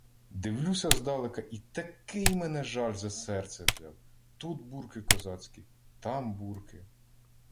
Дивлюся здалека — і такий мене жаль за серце взяв! Тут бурки козацькі — там бурки.